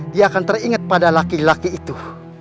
dia akan teringat pada laki laki itu